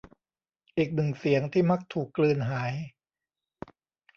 อีกหนึ่งเสียง ที่มักถูกกลืนหาย